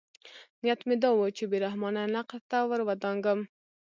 نیت مې دا و چې بې رحمانه نقد ته ورودانګم.